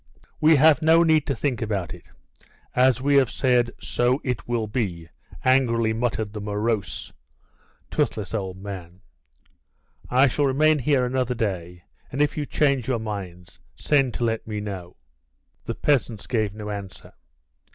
"We have no need to think about it; as we have said, so it will be," angrily muttered the morose, toothless old man. "I shall remain here another day, and if you change your minds, send to let me know." The peasants gave no answer.